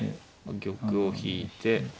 玉を引いて。